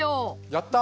やった！